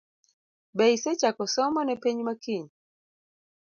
Be isechako somo ne penj ma Kiny?